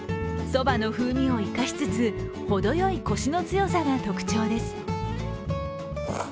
そばの風味を生かしつつ、ほどよいこしの強さが特徴です。